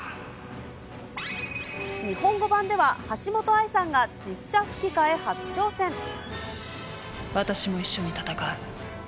日本語版では、橋本愛さんが、私も一緒に戦う。